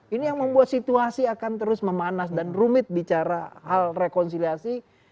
ini yang membuat situasi akan terus memanas dan rumit bicara hal rekonsiliasi